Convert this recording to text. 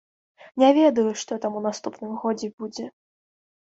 Не ведаю, што там у наступным годзе будзе.